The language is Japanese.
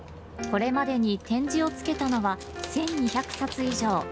これまでに点字を付けたのは１２００冊以上。